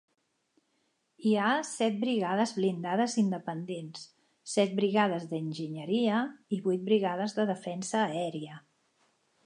Hi ha set brigades blindades independents, set brigades d'enginyeria i vuit brigades de defensa aèria.